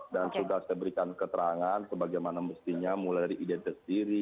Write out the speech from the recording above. dan sudah saya berikan keterangan bagaimana mestinya mulai dari ide tersiri